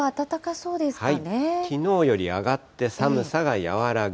きのうより上がって、寒さが和らぐ。